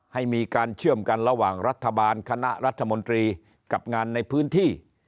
ให้มีการเชื่อมกันระหว่างรัฐบาลคณะรัฐมนตรีกับงานในพื้นที่